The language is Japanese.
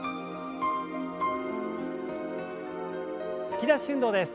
突き出し運動です。